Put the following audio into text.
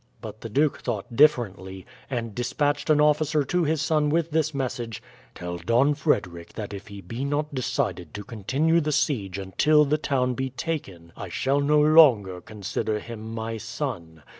But the duke thought differently, and despatched an officer to his son with this message: "Tell Don Frederick that if he be not decided to continue the siege until the town be taken, I shall no longer consider him my son.